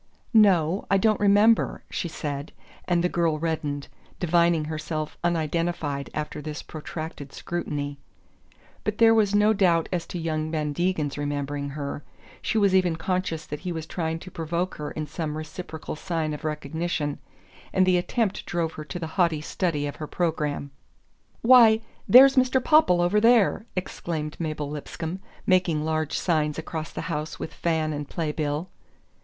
"No I don't remember," she said; and the girl reddened, divining herself unidentified after this protracted scrutiny. But there was no doubt as to young Van Degen's remembering her. She was even conscious that he was trying to provoke in her some reciprocal sign of recognition; and the attempt drove her to the haughty study of her programme. "Why, there's Mr. Popple over there!" exclaimed Mabel Lipscomb, making large signs across the house with fan and play bill.